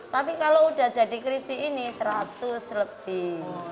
tapi kalau sudah jadi krispi ini rp seratus lebih